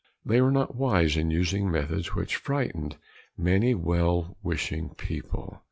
They were not wise in using methods which frightened many well wishing people.